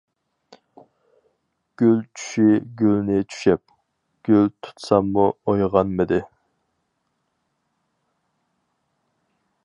گۈل چۈشى گۈلنى چۈشەپ، گۈل تۇتساممۇ ئويغانمىدى.